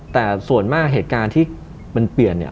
แต่ส่วนมากโดยเหตุการณ์ที่เปลี่ยน